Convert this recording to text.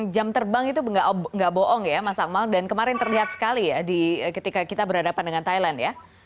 jam terbang itu nggak bohong ya mas akmal dan kemarin terlihat sekali ya ketika kita berhadapan dengan thailand ya